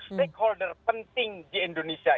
stakeholder penting di indonesia